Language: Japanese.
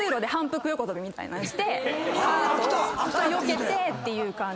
よけてっていう感じ。